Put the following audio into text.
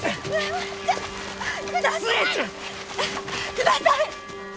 ください！